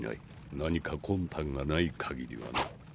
何か魂胆がない限りはな。